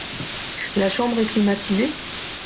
La chambre est climatisée ?